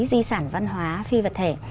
di sản văn hóa phi vật thể